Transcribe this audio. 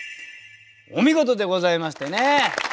お見事でございましたね。